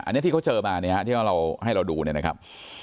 อันนี้ที่เขาเจอมาเนี่ยฮะที่เราให้เราดูเนี่ยนะครับ